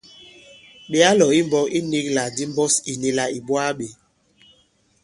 Ɓè kalɔ̀ i mbɔ̄k i nīglàk ndi mbɔs ì nì là ì bwaa bě.